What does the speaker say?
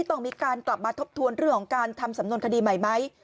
ต้องมีการกลับมาทบทวนเรื่องของการทำสำนวนคดีใหม่ไหม